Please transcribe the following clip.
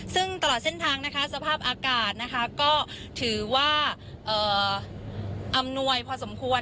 ซึ่งตลอดเส้นทางสภาพอากาศถือว่าอำนวยพอสมควร